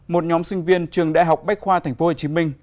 một nhóm sinh viên trường đại học bách khoa tp hcm